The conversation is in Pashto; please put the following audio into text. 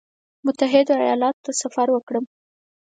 متحده ایالاتو ته سفر وکړم.